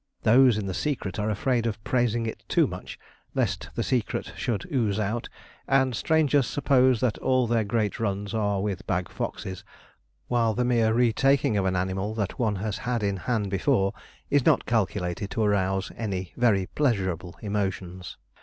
Those in the secret are afraid of praising it too much, lest the secret should ooze out, and strangers suppose that all their great runs are with bag foxes, while the mere retaking of an animal that one has had in hand before is not calculated to arouse any very pleasurable emotions.